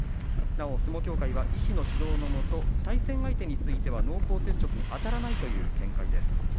なお、相撲協会は医師の指導のもと、対戦相手については濃厚接触者にあたらないという見解です。